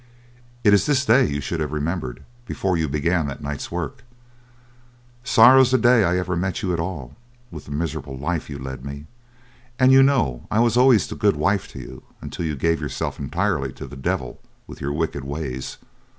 It is this day you should have remembered before you began that night's work. Sorrow's the day I ever met you at all, with the miserable life you led me; and you know I was always the good wife to you until you gave yourself entirely to the devil with your wicked ways.